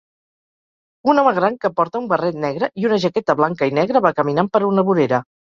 Un home gran que porta un barret negre i una jaqueta blanca i negre va caminant per una vorera.